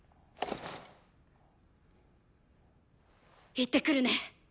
行ってくるね。